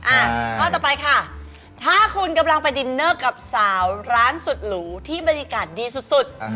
ข้อต่อไปค่ะถ้าคุณกำลังไปดินเนอร์กับสาวร้านสุดหรูที่บรรยากาศดีสุดสุด